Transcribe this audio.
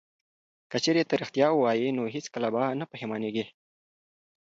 که چیرې ته ریښتیا ووایې نو هیڅکله به نه پښیمانیږې.